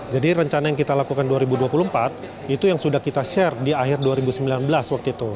jadi rencana yang kita lakukan dua ribu dua puluh empat itu yang sudah kita share di akhir dua ribu sembilan belas waktu itu